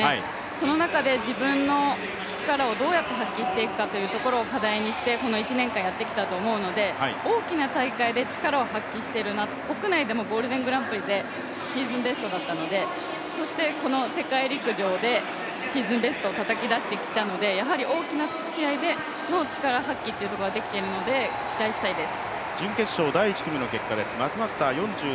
その中で自分の力をどうやって発揮していくかというところを課題にしてこの１年間やってきたと思うので大きな大会で力を発揮してるなと、国内でもゴールデングランプリでベストを出していたのでそしてこの世界陸上でシーズンベストをたたき出してきたので、やはり大きな試合での力発揮ということはできてきているので期待したいです。